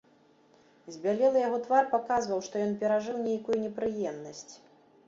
Збялелы яго твар паказваў, што ён перажыў нейкую непрыемнасць.